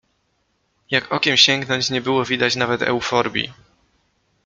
Jak okiem sięgnąć, nie było widać nawet euforbii.